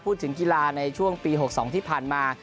พูดถึงกีฬาในช่วงปี๖๒ที่ผ่านมา